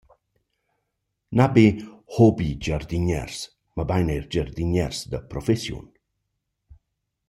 Na be hobi-giardiniers, mabain eir giardiniers da professiun.